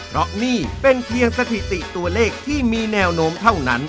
เพราะนี่เป็นเพียงสถิติตัวเลขที่มีแนวโน้มเท่านั้น